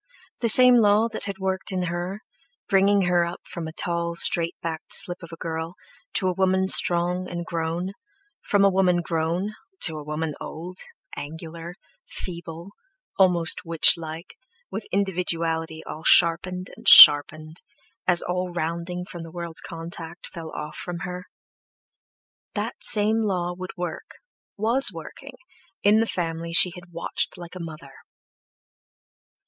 The same law that had worked in her, bringing her up from a tall, straight backed slip of a girl to a woman strong and grown, from a woman grown to a woman old, angular, feeble, almost witchlike, with individuality all sharpened and sharpened, as all rounding from the world's contact fell off from her—that same law would work, was working, in the family she had watched like a mother.